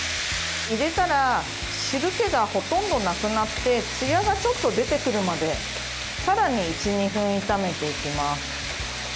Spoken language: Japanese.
入れたら汁けがほとんどなくなってつやがちょっと出てくるまでさらに１２分炒めていきます。